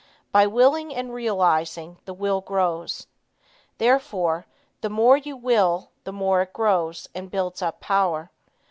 By willing and realizing, the will grows. Therefore the more you will, the more it grows, and builds up power.